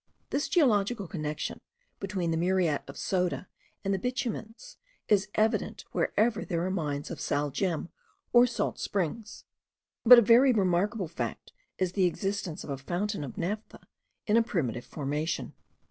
This geological connection between the muriate of soda and the bitumens is evident wherever there are mines of sal gem or salt springs: but a very remarkable fact is the existence of a fountain of naphtha in a primitive formation.